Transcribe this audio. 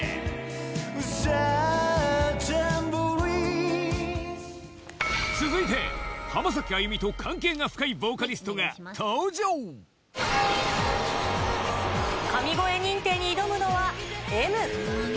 ｓｏｕｔｈｅｒｎｂｒｅｅｚｅ続いて浜崎あゆみと関係が深いボーカリストが登場神声認定に挑むのは『Ｍ』。